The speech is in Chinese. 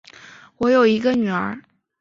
我有一个女儿